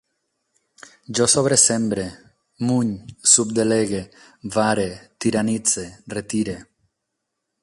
Jo sobresembre, muny, subdelegue, vare, tiranitze, retire